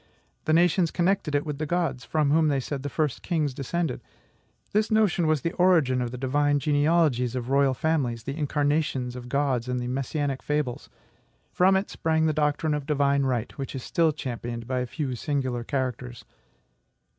The nations connected it with the gods, from whom they said the first kings descended. This notion was the origin of the divine genealogies of royal families, the incarnations of gods, and the messianic fables. From it sprang the doctrine of divine right, which is still championed by a few singular characters.